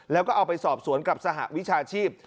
แล้วก็เอาไปสอบสวนกับสหวิชาชีพ